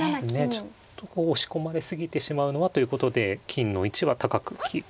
ちょっとこう押し込まれ過ぎてしまうのはということで金の位置は高くキープした感じですかね。